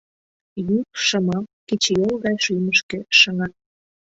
Йӱк, шыма, Кечыйол гай шӱмышкӧ шыҥа.